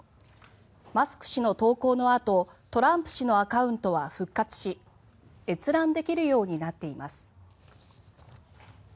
マスク氏の投稿のあとトランプ氏のアカウントは復活し閲覧できるようになっています。